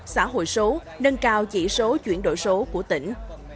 xã hội số nâng cao chỉ số chuyển đổi số của tỉnh